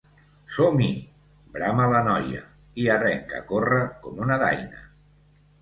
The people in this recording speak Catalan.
Som-hi! —brama la noia, i arrenca a córrer com una daina.